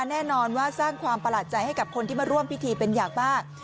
แน่นอนว่าสร้างความประหลาดใจให้กับคนที่มาร่วมพิธีเป็นอย่างมาก